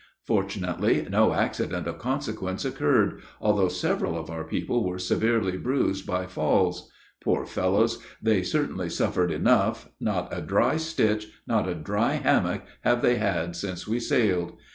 Fortunately, no accident of consequence occurred, although several of our people were severely bruised by falls. Poor fellows! they certainly suffered enough; not a dry stitch, not a dry hammock have they had since we sailed.